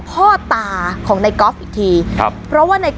สลับผัดเปลี่ยนกันงมค้นหาต่อเนื่อง๑๐ชั่วโมงด้วยกัน